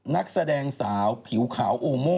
นักแสดงสาวผิวขาวโอโม่